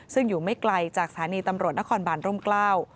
ซึ่งอยู่ไม่ไกลจากสถานีตำรวจนครบานร่มกล้า